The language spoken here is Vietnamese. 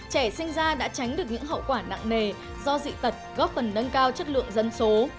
trẻ sinh ra đã tránh được những hậu quả nặng nề do dị tật góp phần nâng cao chất lượng dân số